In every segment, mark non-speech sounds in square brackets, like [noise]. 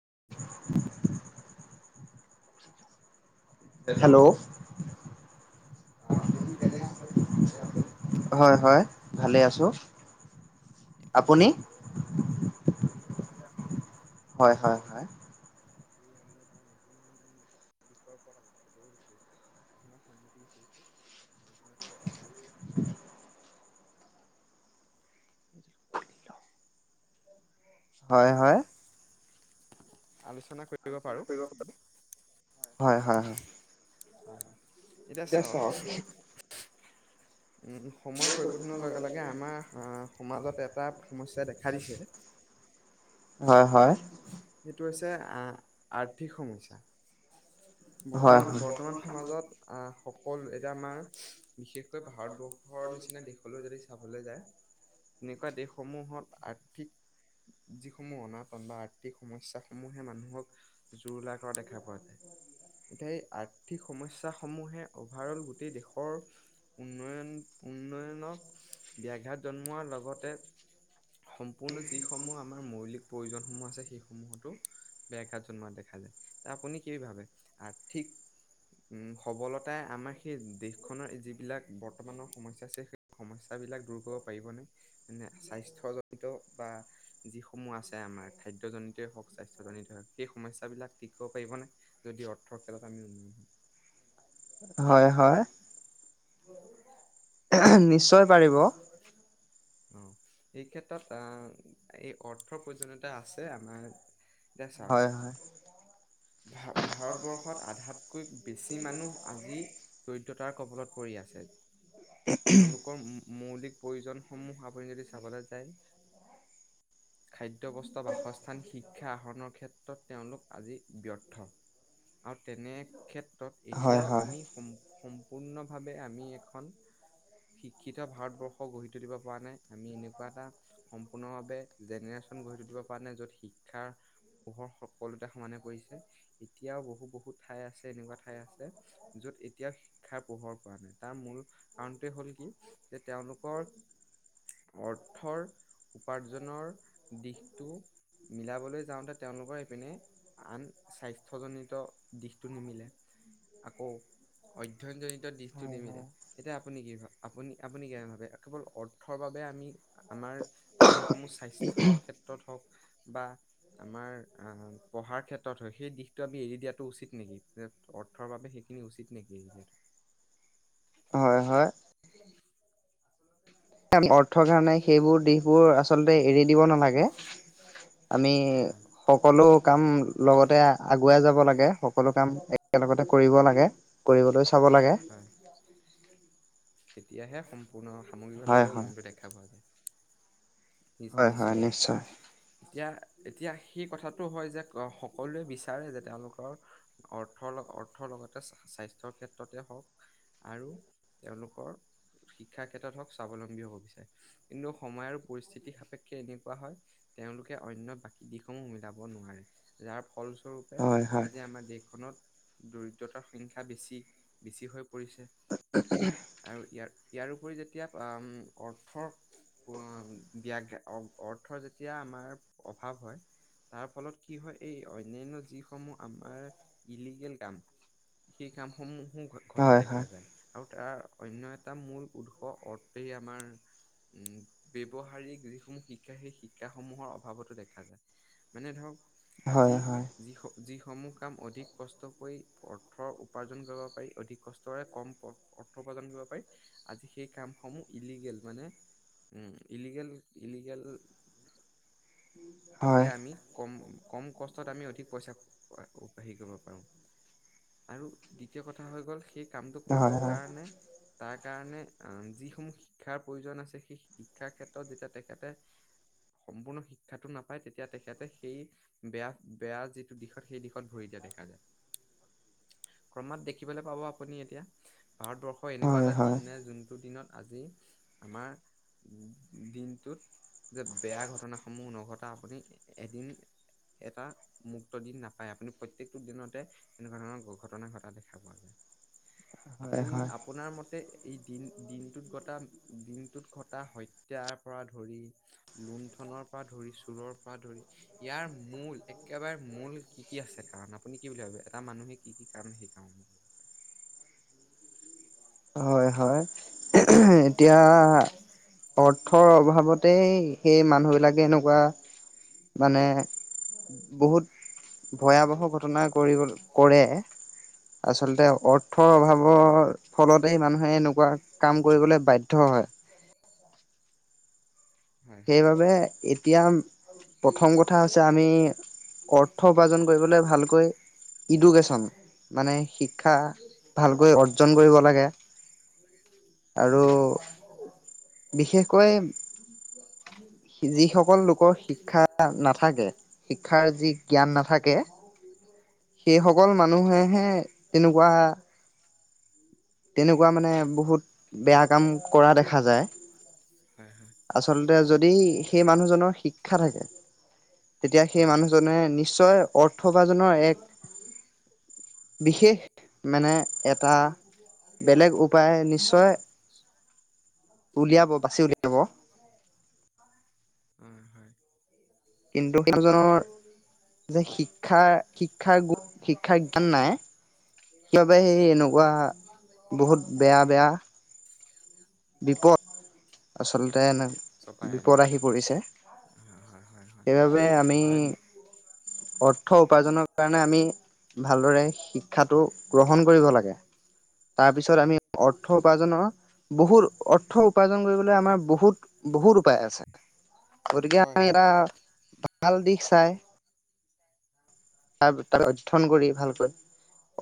[inaudible] [inaudible] Hello হয় হয় ভালে আছো আপুনি [inaudible] [inaudible] হয় হয়- হয়। [inaudible] [inaudible] হয় হয়। আলোচনা কৰিব পাৰোঁ। হয় হয়-হয়। [inaudible] এতিয়া চাওক উম সময়ৰ পৰিৱৰ্তনৰ লগে লগে আমাৰ সমাজত এটা সমস্যাই দেখা দিছে। হয় হয়। সেইটো হৈছে আ-আৰ্থিক সমস্যা। হয় বৰ্তমান-বৰ্তমান সমাজত আ সকলো এতিয়া আমাৰ বিশেষকৈ ভাৰতবৰ্ষৰ নিচিনা দেশলৈ যদি চাবলৈ যায়, তেনেকুৱা দেশসমূহত আৰ্থিক যিসমূহ অনাটন বা আৰ্থিক সমস্যা সমূহে মানুহক জোৰোলা কৰা দেখা পোৱা যায়। সেই আৰ্থিক সমস্যাসমূহে অভাৰল গোটেই দেশৰ উন্নয়ন উন্নয়নক ব্যাঘাত জন্মোৱাৰ লগতে সম্পূৰ্ণ যিসমূহ আমাৰ মৌলিক প্ৰয়োজন [unintelligible] আছে সেইসমূহতো ব্যাঘাত জন্মা দেখা যায়, এ আপুনি কি ভাবে। আৰ্থিক উম সবলতাই আমাৰ সেই দেশখনৰ যিবিলাক বৰ্তমানৰ সমস্যা আছে, সেই সমস্যা [unintelligible] বিলাক দূৰ কৰিব পাৰিবনে, মানে স্বাস্থ্যজনিত বা যিসমূহ আছে আমাৰ খাদ্য জনিতই হওক স্বাস্থ্যজনিতই হওক, সেই সমস্যাবিলাক ঠিক কৰিব পাৰিবনে যদি অৰ্থ খেলত আমি উন্নয়ন হম হয় হয়। নিশ্চয় পাৰিব। অ এই ক্ষেত্ৰত আহ, এই অৰ্থ প্ৰয়োজনীয়তা আছে আমাৰ। দে হয় হয় চাওঁক ভা ভাৰতবৰ্ষত আধাতকৈ বেছি মানুহ আজি দৰিদ্ৰতাৰ কবলত পৰি আছে। তেওঁলোকৰ মু মুত। মৌলিক প্ৰয়োজন সমূহ আপুনি যদি চাবলে যাই। খাদ্য, বস্থ, বাসস্থান শিক্ষা আহৰণৰ ক্ষেত। ক্ষেত্ৰত তেওঁলোক আজি ব্যৰ্থ, আৰু তেনে ক্ষে। হয় এতিয়াও হয় আমি সম্ সম্পূৰ্ণভাৱে আমি এখন। শিক্ষিত ভাৰতবৰ্ষ গঢ়ি তুলিব পৰা নাই। আমি এনেকুৱা এটা সম্পূৰ্ণভাৱে, জেনেৰেশ্যন গঢ়ি তুলিব পৰা নাই যত, শিক্ষাৰ পোহৰ সকলোতে সমানে পৰিছে। এতিয়াও বহু বহুত ঠাই আছে এনেকুৱা ঠাই আছে, যত এতিয়াও শিক্ষাৰ পোহৰ পৰা নাই, তাৰ মূল কাৰণ। অৰ্থৰ উপাৰ্জৰ দিশটো মিলাবলৈ যাওঁতে তেওঁলোকৰ ইপিনে, আন স্বাস্থ্যজনিত দিশটো নিমিলে, আকৌ অধ্যয়ন জৰিত দিশটো হয় নিমিলে। হয় এতিয়া কি [unintelligible] আপুনি -আপুনি কি ভাবে কেৱল অৰ্থৰ বাবে আমি আমাৰ যিসমূহ স্বাস্থ্যৰ ক্ষেত্ৰত হওক বা আমাৰ পঢ়াৰ ক্ষেত্ৰত হওক সেই দিশটো আমি এৰি দিয়াটো উচিত নেকি অৰ্থৰ বাবে সেইখিনি উচিত নেকি এৰি দিয়া? হয় -হয় আমি অৰ্থৰ কাৰণে সেইবোৰ দিশবোৰ আচলতে এৰি দিব নালাগে। আমি হয় সকলো কাম লগতে আগুৱাই যাব লাগে। সকলো কাম এক একে লগতে কৰিব লাগে কৰিবলৈ। চাব লাগে। হয় তেতিয়াহে সম্প পূৰ্ণ হয় সামগ্ৰিকভাৱেও হয় উন্নয়নটো দেখা পোৱা যায়। নিচ, হয় হয় নিশ্চয় -নিশ্চয় এতিয়া এতিয়া সেই কথাটো হয় যে অহ', সকলোৱে বিচাৰে যে তেওঁলোকৰ অৰ্থৰ ল অৰ্থৰ লগতে স্বাস্থ্যৰ ক্ষেত। [unintelligible] হওক আৰু তেওঁলোকৰ শিক্ষা ক্ষেত্ৰত হওক স্বাৱলম্বী হব বিচাৰে কিন্তু সময় আৰু পৰিস্থিতি সাপেক্ষে এনেকুৱা হয় তেওঁলোকে অন্য বাকী দিশসমূহ মিলাব নোৱাৰে। যাৰ ফলস্বৰূপে হয় হয় আজি আমাৰ দেশখনত। দৰিদ্ৰতাৰ সংখ্যা বেছি। বেছি হয়। কৰিছে আৰু ইয়াৰ ইয়াৰ উপৰি যেতিয়া অম অৰ্থৰ [unintelligible] বিয়াত গাই অহ ', অৰ্থৰ যেতিয়া আমাৰ অভাৱ হয় তাৰ ফলত কি হয় এই অন্যান্য যিসমূহ আমাৰ ইল্লিগেল কাম সেই কামসমূহ [unintelligible] ‌ ঘটা হয় হয় দেখা যায় আৰু। তাৰ অন্য এটা মূল উৎস অৰ্থে আমাৰ উম', ব্যৱহাৰিক যিসমূহ শিক্ষা সেই শিক্ষা সমূহৰ অভাৱতো দেখা যায়। মানে ধৰক হয় আজি হয় যি স যি সমূহ কাম অধিক কষ্ট কৰি অৰ্থ উপাৰ্জন কৰিব। পাৰি অধিক কষ্টৰে কম অহ ', অৰ্থ উপাৰ্জন কৰিব পাৰি। আজি সেই কাম সমূহ ইল্লিগেল মানে উম', ইল্লিগেল- ইল্লিগেল কে হয় আমি কম। কম কষ্টত আমি অধিক পইচা [unintelligible] হেৰি কৰিব পাৰোঁ আৰু দ্বিতীয় কথা হৈ গ'ল। সেই কামটো কৰিব হয় হয় কাৰণে। তাৰ কাৰণে অম', যিসমূহ শিক্ষাৰ প্ৰয়োজন আছে সেই শিক্ষাৰ ক্ষেত্ৰত যেতিয়া তেখেতে সম্পূৰ্ণ শিক্ষাটো নাপ হই তেতিয়া তেখেতে সেই বেয়া- বেয়া যিটো দিশত সেই দিশত ভৰি দিয়া দেখা যায়। ক্ৰমাৎ দেখিবলৈ পাব আপুনি এতিয়া? ভাৰতবৰ্ষৰ এনেকুৱা হয় এটা হয় দিন নাই যোনটো দিনত আজি আমাৰ দিনটোত যে বেয়া ঘটনা সমূহ নঘট। আহ ', আপুনি এদিন এটা মুক্ত দিন নাপাই আপুনি প্ৰত্যেকটো দিনতে এনেকুৱা ধৰণৰ ঘটনা ঘটা দেখা পোৱা যায়। হয় আপুনি হয় আপোনাৰ মতে এই দিনটোত ঘটা দিনটোত ঘটা হত্যাৰ পৰা ধৰি লুঠনৰ পৰা ধৰিছোঁ। চোৰৰ পৰা ধৰি, ইয়াৰ মূল একেবাৰে মূল কি কি আছে কাৰণ? আপুনি কি বুলি ভাবে? এটা মানুহে কি কি কাৰণ সেই কাম কৰিব পাৰে? হয় হয়। [unintelligible] এতিয়া অৰ্থৰ অভাৱতেই সেই মানুহবিলাকে এনেকুৱা মানে বহুত ভয়াৱহ ঘটনা কৰিব কৰে। আচলতে অৰ্থৰ অভাৱৰ। ফলতে মানুহে এনেকুৱা কাম কৰিবলৈ বাধ্য হয়। হয় হয় সেইবাবে এতিয়া। প্ৰথম কথা হৈছে আমি। অৰ্থ উপাৰ্জন কৰিবলৈ ভালকৈ, ইডুকেশ্যন মানে শিক্ষা ভালকৈ অৰ্জন কৰিব লাগে, আৰু হয় বিশেষকৈ। যিসকল লোকৰ শিক্ষা নাথাকে, শিক্ষাৰ যি জ্ঞান নাথাকে। সেইসকল মানুহেহে তেনেকুৱা। তেনেকুৱা মানে বহুত বেয়া কাম কৰা দেখা যায়। হয় হয় আচলতে যদি। সেই মানুহজনৰ শিক্ষা থাকে। তেতিয়া সেই হয় মানুহজনে নিশ্চয় অৰ্থ উপাৰজনৰ এক। বিশেষ মানে এটা। বেলেগ উপায় নিশ্চয়, উলিয়াব বাচি উলিয়াব। [inaudible] উম হয়। কিন্তু সেইজনৰ যে, শিক্ষাৰ শিক্ষাৰ শিক্ষাৰ জ্ঞান নাই। সেইবাবে ই এনেকুৱা বহুত বেয়া বেয়া। বিপদ। আচলতে এনে চপাই আনে বিপদ আহি পৰিছে। হয় হয় হয় হয় সেইবাবে আমি হয় অৰ্থ উপাৰ্জনৰ কাৰণে আমি ভালদৰে শিক্ষাটো গ্ৰহণ কৰিব লাগে তাৰপিছত আমি অৰ্থ উপাৰ্জনৰ বহুত অৰ্থ উপাৰ্জন কৰিব ব বহুত উপায় আ গতিকে হয় আমি হয় এ ভাল দিশ চাই তাৰ তাক অধ্যয়ন কৰি ভালকৈ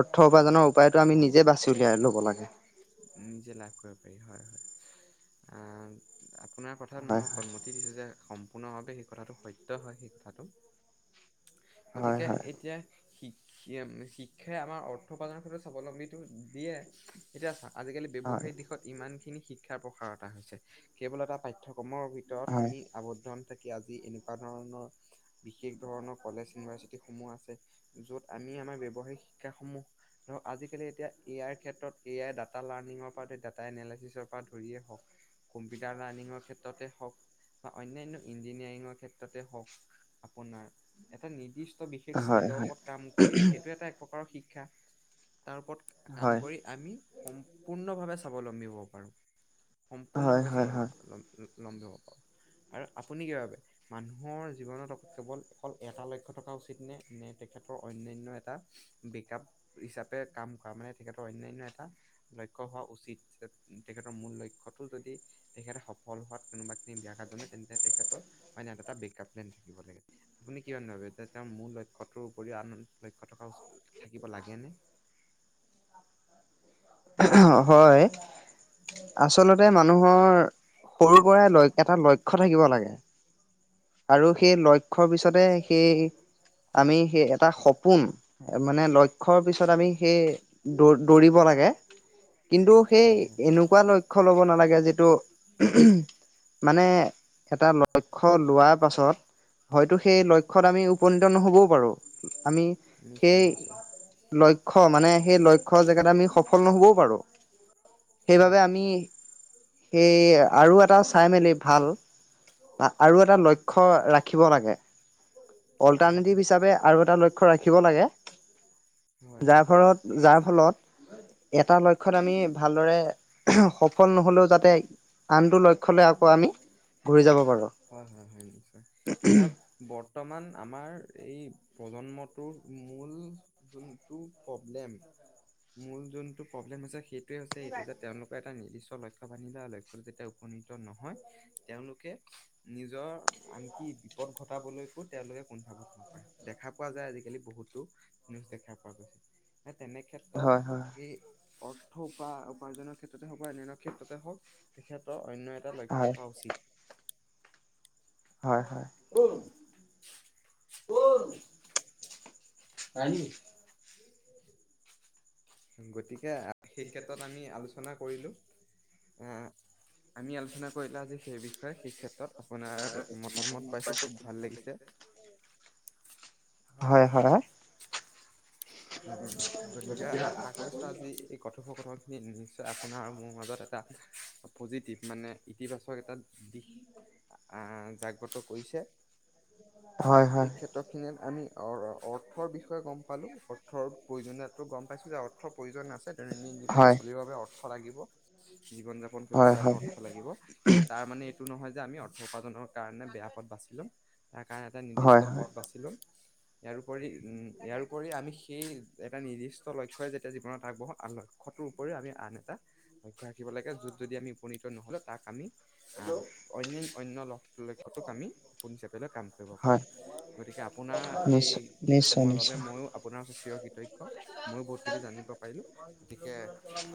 অৰ্থ উপাৰ্জনৰ উপায়তটো আমি নিজে বাচি উলিয়াই ল'ব লাগে অ আপোনাৰ কথাত মই হয় সন্মতি দিছোঁ যে সম আপোনাৰ বাবে সেই কথাটো সত্য হয় সেই কথাটো হয় গতিকে হয় এতিয়া শিক শিক্ষাই আমাৰ অৰ্থ উথপাৰ্নৰ ক্ষেত্ৰ স্বাৱলম্বীটো দিয়ে এতিয়া চাও [unintelligible] আজিকালি ব্যৱসায়িক দিশত ইমানখিনি শিক [unintelligible] শিক্ষাৰ প্ৰসাৰতা হৈছে কেৱল এটা পাঠ্য় কমৰ ভিতৰত হয় আমি আৱদ্ধন [unintelligible] থাকি আজি এনেকুৱা ধৰণৰ বিশেষ ধৰণৰ কলেজ ইউনিভাৰ্চিটি সমূহ আছে য'ত আমি আমাৰ ব্য্ৱসায়িক শিক্ষাসমূহ ধৰক আজিকালি এতিয়া এ আইৰ ক্ষেত্ৰত এ আইৰ ডাটা লাৰ্ণঙৰ পৰা ডাটা এনলিচিছৰ পৰা ধৰিয়ে হওক কম্পিউটাৰ লাৰ্ণিঙৰ ক্ষেত্ৰতে হওক বা অানয় ইঞ্জিনিয়াৰিঙৰ ক্ষেত্ৰতে হওক আপোনাৰ এটা নিৰ্দিষ্ট বিশেষ হয় হয় স্কিলৰ হয় ওপৰত কাম কৰি সেইটো এটা এক প্ৰকাৰৰ শিক্ষ শা তাৰ ওপৰত কাম হয় কৰি আমি সম্পূৰ্ণভাৱে স্বাৱলম্বী হ'ব পাৰো সম্পূৰ্ণ হয় ভাৱে চাব হয় হয় নাপা লমিব পাৰো আৰু আপুনি কি বাবোবে মানুহৰ জীৱনত কেৱল অকল এটা লক্ষ্্য থকা উচিত নে নে তেখেতৰ অন্যানয় এটা বেকআপ হিচাপে কাম কৰা মানে তেখেতৰ অন্য়ানয় এটা লক্ষ্ হোৱা উচিত তেখেতৰ মূল লক্ষ্য়তটো যদি তেখেতে সফল হোৱাত কোনোবা খিনি ব্যা কাত জমে তেন্তে তেখেতৰ অনয় এ এটা বেকআপ প্লেন থাকিব লাগে আপুনি কি ভাবে যে তেওঁৰ মূ লক্ষ্য়টোৰ উপৰিও আন লক্ষ্য় থকা থাকিব লাগে নে হয় আচলতে মানুহৰ সৰু পৰাই ল এটা লক্ষ লক্ষ্য থাকিব লাগে আৰু সেই লক্ষ্য়ৰ পিছতে সেই আমি সেই এটা সপোন মানে লক্ষ্য়ৰ পিছত আমি সেই দৌ দৌৰিব লাগে কিন্তু সেই হয় হয় এনেকুৱা লক্ষ্য় ল'ব নালাগে যিটো মানে এটা লক্ষ্্য লোৱাৰ সাত হয়তো সেই লক্ষ্যত আমি উপনীত নহ'বও পাৰোঁ আমি নিশ্চয় সেই নিশ্চয় লক্ষ্য মানে সেই লক্ষ্য জেগাত আমি সফল নহ'বও পাৰোঁ সেইবাবে হয় আমি সেই আৰু এটা চাই মেলি ভাল বা আৰু এটা লক্ষ্য ৰাখিব লাগে হয় অল্টাৰনেটিভ হয় হিচাপে আৰু এটা লক্ষ্য ৰাখিব লাগে হয় হয়। যাৰ ফলত যাৰ ফলত এটা লক্ষ্য়ত আমি ভালদৰে সফল নহলেও যাতে আনটো লক্ষ্যলে আকৌ আমি ঘূৰি যাব পাৰো হয় হয় হয় নিশ্চয় এতিয়া বৰ্তমান আমাৰ এই প্ৰজন্মটোৰ মূল যোনটো প্ৰব্লেম মূল যোনটো প্ৰব্লেম হৈছে সেই হৈছে এইটো যে তেওঁলোকে ান দি চল খ পানি লাাগে [unintelligible] যেতিয়া উপনীত নহয় তেওঁলোকে নিজৰ আনকি ন ঘটাবলৈকো তেওঁলোকে দেখা পোৱা যায় আজিকালি বহুতো নিউজ দেখা পোৱা গৈছে হয় হয় তেনেক্ষেত্ৰত এই অৰ্থ বা উপাৰ্জনৰ ক্ষেত্ৰতে হওক বা অন্যান্য ক্ষেত্ৰতে হওক তেখেতৰ অন্য এটা লক্ষ্য হয় থকা উচিত। বাক হয়, হয় [inaudible] গতি কে সেই ক্ষেত্ৰত আমি আলোচনা কৰিলো। উম [unintelligible] আমি আলোচনা কৰিলো আজি সেই বিষয়ে, সেই ক্ষেত্ৰত আপোনাৰ মতামত পাইছো খুউব ভাল লাগিছে। হয়, হয়, হয়। গতিকে, আশা কৰিছো আজি এই কথোপকথন খিনি নিশ্চয় আপোনাৰ মোৰ মাজত এটা পজিটিভ মানে ইতিবাচক এটা দিশ, আ জাগ্ৰত কৰিছে। হয় হয় হয় এই ক্ষেত্ৰ খিনিত আমি অৰ-অৰ্থৰ বিষয়ে গম পালো, অথ অৰ্থৰ প্ৰয়োজনীয়তো গম পাইছো, যে অৰ্থৰ প্ৰয়োজন আছে দৈন্দিন জীৱনত চলিবৰ বাবে অৰ্থ সলাগিব। জীৱন যাপন কৰিবৰ হয় হয় কাৰণে অৰ্থ লাগিব, কিন্তু তাৰ মানে এইটো নহয় যে আমি অৰ [unintelligible] কাৰণে বেয়া পথ বাচি লম। তাৰ কাৰণে এটা হয় নিৰ্দিষ্ট হয় পথ বাচিল'ম। ইয়াৰোপৰি উম, ইয়াৰোপৰি আমি সি সেই এটা নিৰ্দিষ্ট লক্ষ্যই যেতিয়া জীৱনত আগবঢ়ো, [unintelligible] লক্ষ্যটোৰ উপৰিও আমি আন এটা লক্ষ্য ৰাখিব লাগে, য'ত যদি আমি উপনীত নহ'লে তাক আমি আ, অন-অন্য ল-লক্ষতোক আমি সপোন হিচাপে লৈ কাম কৰিব পাৰো। হয় গতিকে আপোনাৰ নিশ্চয় এইখিনি নিশ্চয় সময়ৰ বাবে নিশ্চয় ময়ো আপ আপোনাৰ চিৰ কৃতজ্ঞ, ময়ো বহুতখিনি জানিব পাৰিলো। গতিকে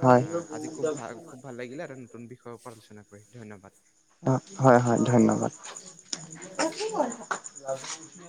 হয় আজি খুব ভাল লাগিলে এটা নতুন বিষয়ৰ ওপৰত আলোচনা [unintelligible] ধন্যবাদ। হয়-হয়, ধন্যবাদ।